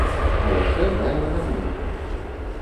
А яшчэ грае на гармоніку.